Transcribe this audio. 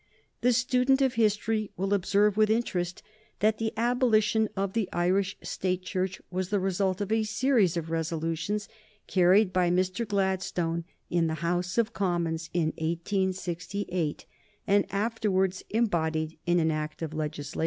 The student of history will observe with interest that the abolition of the Irish State Church was the result of a series of resolutions carried by Mr. Gladstone in the House of Commons in 1868, and afterwards embodied in an act of legislation.